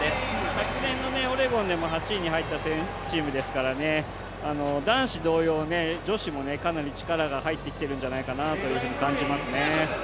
昨年のオレゴンでも８位に入ったチームですから、男子同様、女子もかなり力が入ってきているんじゃないかなと感じますね。